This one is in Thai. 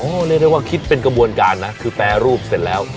เรียกได้ว่าคิดเป็นกระบวนการนะคือแปรรูปเสร็จแล้ว